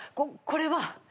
ここれは」